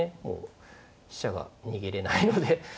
もう飛車が逃げれないので。